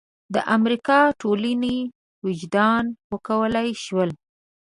د امریکا د ټولنې وجدان وکولای شول.